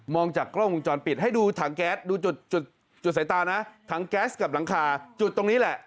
จากกล้องวงจรปิดให้ดูถังแก๊สดูจุดจุดสายตานะถังแก๊สกับหลังคาจุดตรงนี้แหละ